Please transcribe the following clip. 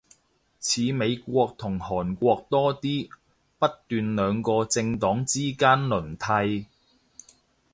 似美國同韓國多啲，不斷兩個政黨之間輪替